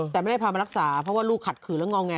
แต่ไม่ได้พามารักษาเพราะว่าลูกขัดขืนแล้วงอแง